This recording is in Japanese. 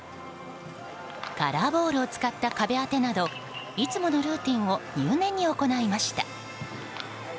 カラーボールを使った壁当てなどいつものルーティンを入念に行いました。